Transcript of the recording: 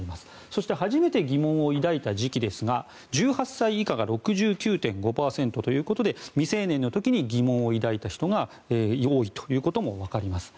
そして初めて疑問を抱いた時期ですが１８歳以下が６９．５％ということで未成年の時に疑問を抱いた人が多いということも分かります。